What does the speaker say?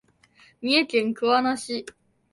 三重県桑名市